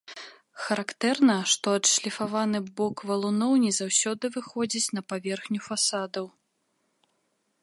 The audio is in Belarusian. Характэрна, што адшліфаваны бок валуноў не заўсёды выходзіць на паверхню фасадаў.